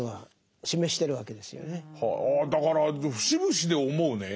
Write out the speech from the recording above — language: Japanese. だから節々で思うね